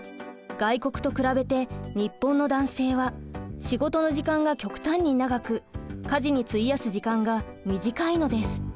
外国と比べて日本の男性は仕事の時間が極端に長く家事に費やす時間が短いのです。